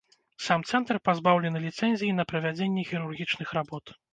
Сам цэнтр пазбаўлены ліцэнзіі на правядзенне хірургічных работ.